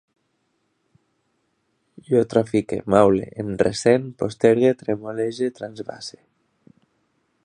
Jo trafique, maule, em ressent, postergue, tremolege, transvase